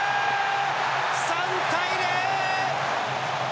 ３対０！